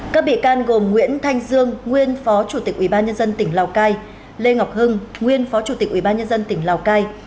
các bị can gồm nguyễn thanh dương nguyên phó chủ tịch ubnd tỉnh lào cai lê ngọc hưng nguyên phó chủ tịch ubnd tỉnh lào cai